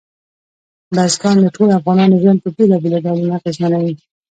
بزګان د ټولو افغانانو ژوند په بېلابېلو ډولونو اغېزمنوي.